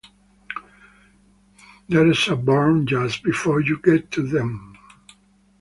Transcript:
There's a barn just before you get to them.